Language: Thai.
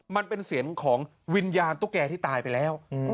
มันเป็นเสียงของวิญญาณตุ๊กแก่ที่ตายไปแล้ว